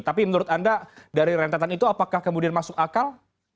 tapi menurut anda dari rentetan itu apakah kemudian masuk akal